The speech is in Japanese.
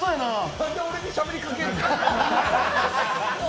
何で俺にしゃべりかける？